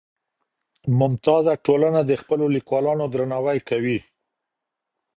ممتازه ټولنه د خپلو ليکوالانو درناوی کوي.